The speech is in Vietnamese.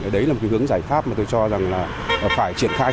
đấy là một hướng giải pháp mà tôi cho rằng là phải triển khai